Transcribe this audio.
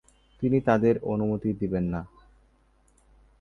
তিনি তাদের অনুমতি দিবেন না